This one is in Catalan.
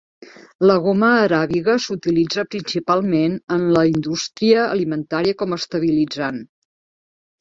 La goma aràbiga s'utilitza principalment en la indústria alimentària com a estabilitzant.